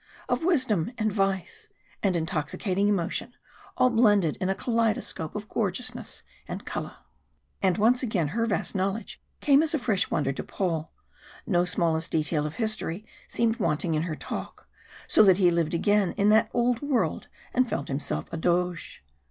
Of wisdom and vice, and intoxicating emotion, all blended in a kaleidoscope of gorgeousness and colour. And once again her vast knowledge came as a fresh wonder to Paul no smallest detail of history seemed wanting in her talk, so that he lived again in that old world and felt himself a Doge.